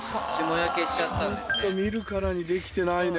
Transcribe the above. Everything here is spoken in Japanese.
見るからにできてないね